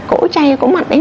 cổ chay cổ mặn